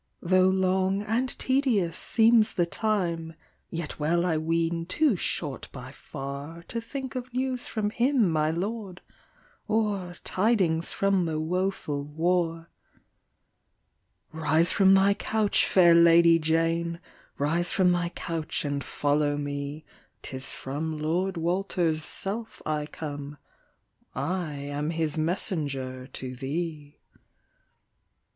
u Tho' long and tedious seems the time, Yet well I ween too short by far, To think of news from him my Lord, Or tidings from the woeful war/' " Rise from thy couch, fair Lady Jane, Rise from thy couch and follow me ; 'Tis from Lord Walter's self I come, I am his messenger to thee."